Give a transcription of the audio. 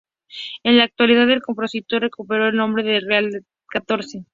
En la actualidad el compositor, recupero el nombre de real de catorce.